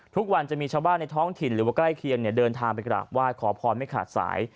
ทุกวันจะมีชาวบ้านในท้องถิ่นหรือว่าใกล้เคียงเดินทางไปกราบไหว้ขอพรไม่ขาดสาย